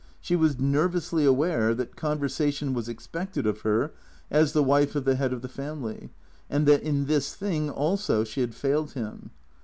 She was nervously aware that conversation was expected of her as the wife of the head of the family, and that in this thing also she had failed him.